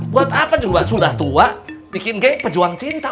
buat apa juga sudah tua bikin kayak pejuang cinta